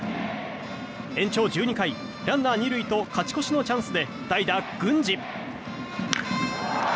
延長１２回、ランナー２塁と勝ち越しのチャンスで代打、郡司。